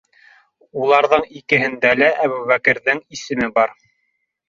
Уларҙың икеһендә лә Әбүбәкерҙең исеме бар.